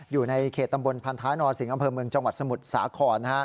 อยู่ในเขตตำบลพันท้ายนอสิงหอำเภอเมืองจังหวัดสมุทรสาคร